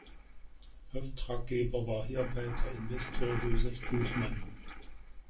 Auftraggeber war hierbei der Investor Josef Buchmann.